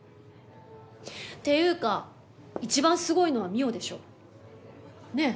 っていうか一番すごいのは望緒でしょ。ねえ？